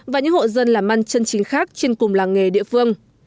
và những hộ dân làm ăn chân chính khác trên cùng làng nghề địa phương